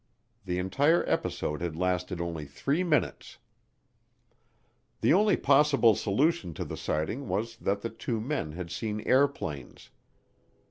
The entire episode had lasted only three minutes. The only possible solution to the sighting was that the two men had seen airplanes.